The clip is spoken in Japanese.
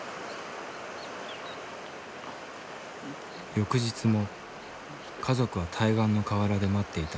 翌日も家族は対岸の河原で待っていた。